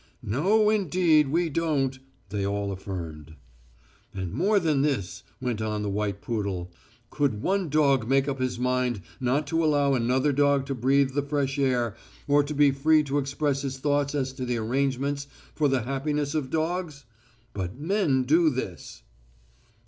"No, indeed we don't," they all affirmed. "And more than this," went on the white poodle. "Could one dog make up his mind not to allow another dog to breathe the fresh air, or to be free to express his thoughts as to the arrangements for the happiness of dogs? But men do this."